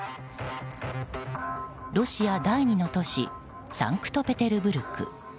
ロシア第２の都市サンクトペテルブルク。